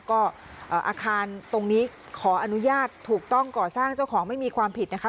ก็อาคารตรงนี้ขออนุญาตถูกต้องก่อสร้างเจ้าของไม่มีความผิดนะคะ